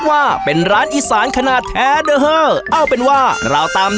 เคยแบบย่อนคนดูพริกสุด